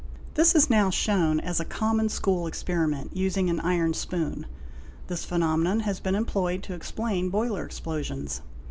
'This is now shown as a common school experiment, using an iron spoon. This phenomenon has been employed to explain boiler explosions.